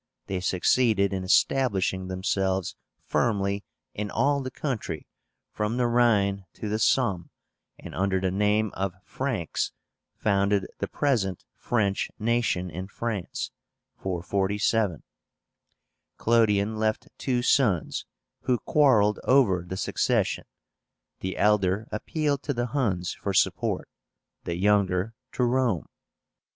They succeeded in establishing themselves firmly in all the country from the Rhine to the Somme, and under the name of FRANKS founded the present French nation in France (447). Clodion left two sons, who quarrelled over the succession. The elder appealed to the Huns for support, the younger to Rome.